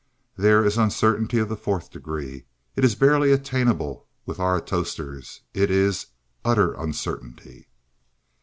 There is 'Uncertainty of the Fourth Degree.' It is barely attainable with our atostors. It is utter uncertainty.